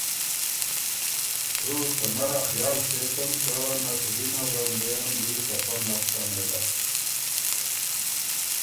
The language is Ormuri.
تُو ته نر ا خیال سېتن که نسرینه ورندېرم دی خپۀ نک سۀ نېلۀ